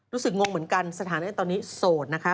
รู้สึกงงเหมือนกันสถานการณ์ตอนนี้โสดนะคะ